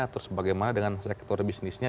terus bagaimana dengan sektor bisnisnya